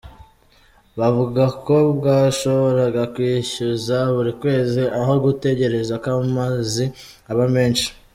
Bavuga ko bwashoboraga kwishyuza buri kwezi, aho gutegereza ko amezi aba menshi.